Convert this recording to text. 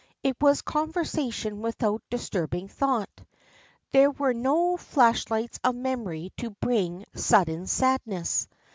It was conversation without disturbing thought. There were no flashlights of memory to bring sudden sadness.